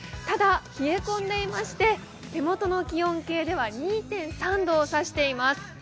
ただ、冷え込んでいまして、手元の気温計では２．３度を示しています。